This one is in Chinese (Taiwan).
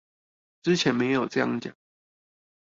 之前沒有這樣講